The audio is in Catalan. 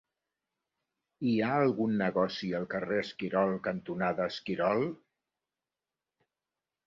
Hi ha algun negoci al carrer Esquirol cantonada Esquirol?